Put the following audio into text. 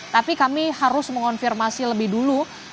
tapi kami harus mengonfirmasi lebih dulu